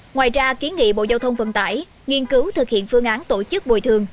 ngoài ra kiến nghị bộ giao thông vận tải nghiên cứu thực hiện phương án tổ chức bồi thường